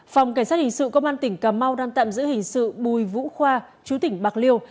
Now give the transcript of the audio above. phòng cảnh sát hình sự công an tỉnh cà mau đang tạm giữ hình sự bùi vũ khoa chú tỉnh bạc liêu